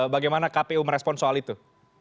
bagaimana kpu merespon soal itu